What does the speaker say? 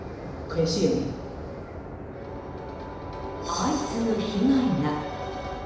相次ぐ被害が。